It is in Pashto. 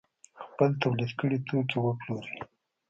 خپل تولید کړي توکي وپلوري.